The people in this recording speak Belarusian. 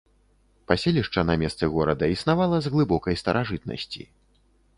Паселішча на месцы горада існавала з глыбокай старажытнасці.